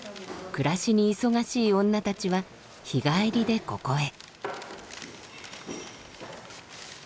暮らしに忙しい女たちは日帰りでここへ。